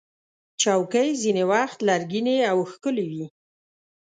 چوکۍ ځینې وخت لرګینې او ښکلې وي.